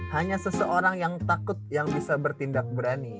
hanya seseorang yang takut yang bisa bertindak berani